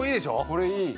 これいい。